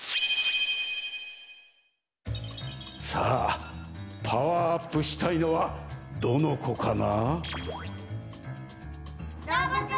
さあパワーアップしたいのはどのこかな？